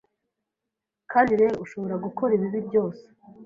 Kandi rero ushobora gukora ibibi byose